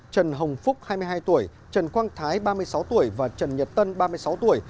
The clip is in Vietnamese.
trần hồng phúc hai mươi hai tuổi trần quang thái ba mươi sáu tuổi và trần nhật tân ba mươi sáu tuổi